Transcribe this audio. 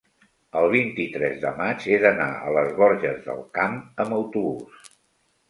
el vint-i-tres de maig he d'anar a les Borges del Camp amb autobús.